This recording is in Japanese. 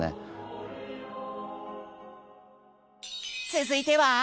続いては？